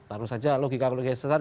taruh saja logika logika yang sesat